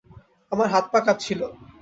আমার হাত পা কাঁপছিল।